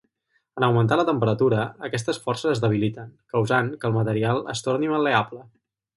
En augmentar la temperatura, aquestes forces es debiliten, causant que el material es torni mal·leable.